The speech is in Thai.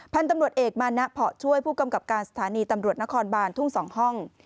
พันธุ์ตำรวจเอกมานะเพาะช่วยผู้กำกับการสถานีตำรวจนครบานทุ่ง๒ห้อง